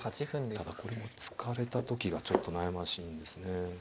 ただこれも突かれた時がちょっと悩ましいんですね。